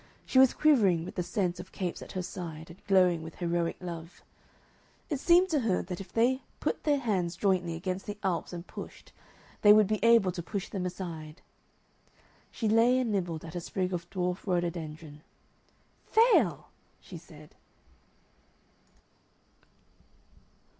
She was quivering with the sense of Capes at her side and glowing with heroic love; it seemed to her that if they put their hands jointly against the Alps and pushed they would be able to push them aside. She lay and nibbled at a sprig of dwarf rhododendron. "FAIL!" she said.